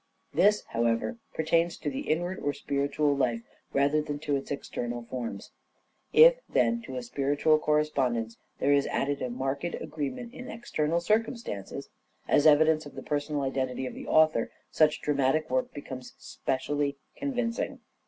This, however, pertains to the inward or spiritual life rather than to its external forms. If, then, to a spiritual correspondence there is added a marked agreement in external circumstances, as evidence of the personal identity of the author such dramatic work becomes specially convincing.